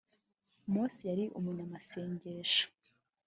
Mose yari umunyamasengesho